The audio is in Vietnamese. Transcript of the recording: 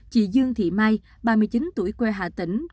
chị dương thị mai ba mươi chín tuổi quê hà tĩnh